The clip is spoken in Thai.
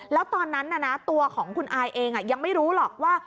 แล้วตอนนั้นตัวของคุณอายเองยังไม่รู้หรอกว่า